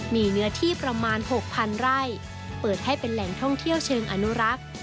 มีเนื้อที่ประมาณ๖๐๐๐ไร่เปิดให้เป็นแหล่งท่องเที่ยวเชิงอนุรักษ์